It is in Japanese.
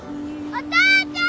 お父ちゃん！